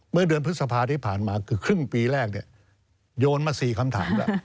เมื่อเดือนพฤษภาที่ผ่านมาคือครึ่งปีแรกเนี่ยโยนมา๔คำถามแล้ว